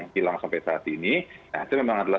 hilang sampai saat ini nah itu memang adalah